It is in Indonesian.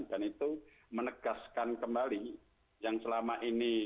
dan itu menegaskan kembali yang selama ini